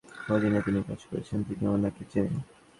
মনমোহন সিং বলেছিলেন, তাঁর অধীনে তিনি কাজ করেছেন, তিনি ওনাকে চেনেন।